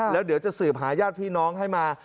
แล้วเดี๋ยวจะสืบหาญาติพี่น้องให้มา